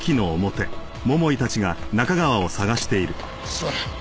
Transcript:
すまない。